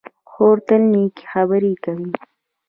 خور تل نېکې خبرې کوي.